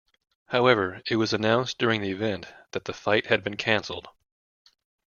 However, it was announced during the event that the fight had been cancelled.